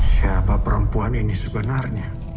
siapa perempuan ini sebenarnya